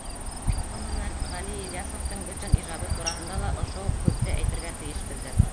Ғөмүмән, Ғәли Ильясовтың бөтөн ижады тураһында ла ошо уҡ һүҙҙе әйтергә тейешбеҙҙер.